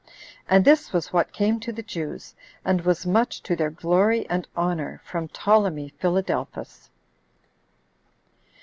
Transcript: And this was what came to the Jews, and was much to their glory and honor, from Ptolemy Philadelphus.